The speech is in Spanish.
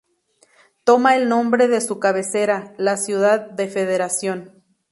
Toma el nombre de su cabecera, la ciudad de Federación.